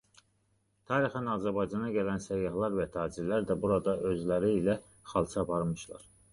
Tarixən Azərbaycana gələn səyyahlar və tacirlər də buradan özləri ilə xalça aparmışlar.